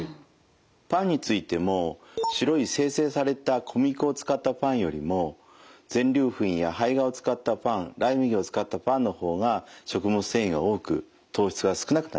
パンについても白い精製された小麦粉を使ったパンよりも全粒粉や胚芽を使ったパンライ麦を使ったパンの方が食物繊維が多く糖質は少なくなります。